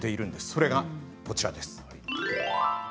それがこちらです。